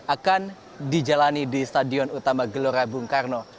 akan dijalani di stadion utama gelora bung karno